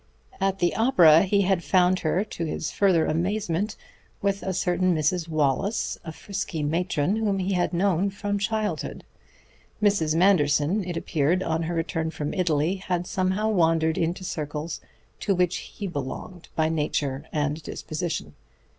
At the opera he had found her, to his further amazement, with a certain Mrs. Wallace, a frisky matron whom he had known from childhood. Mrs. Manderson, it appeared, on her return from Italy, had somehow wandered into circles to which he belonged by nurture and disposition.